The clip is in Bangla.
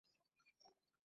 আমি কত বোকা ছিলাম।